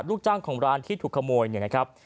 ลูกจ้างของร้านที่ถูกขโมยเนี่ยนะครับ